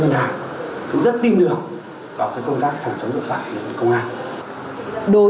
qua những công việc đó các cửa hàng cũng như các ngân hàng cũng rất tin được vào công tác phản chống lực lượng phạm của công an